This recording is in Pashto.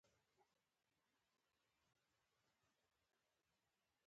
نقشه د مایا اصلي ښارونه راښيي.